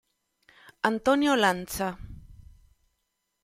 Antonio Lanza